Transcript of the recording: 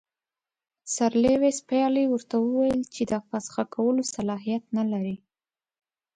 سر لیویس پیلي ورته وویل چې د فسخ کولو صلاحیت نه لري.